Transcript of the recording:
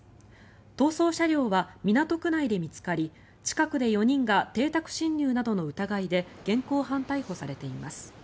逃走車両は港区内で見つかり近くで４人が邸宅侵入などの疑いで現行犯逮捕されています。